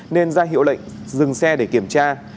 nên ra hiệu lệnh dừng xe để kiểm tra